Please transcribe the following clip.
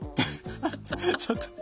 ちょっと。